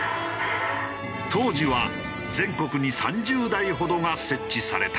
当時は全国に３０台ほどが設置された。